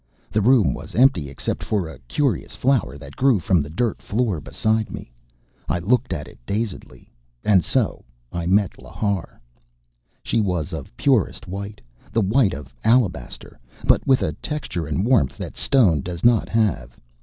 The room was empty except for a curious flower that grew from the dirt floor beside me. I looked at it dazedly. And so I met Lhar.... She was of purest white, the white of alabaster, but with a texture and warmth that stone does not have.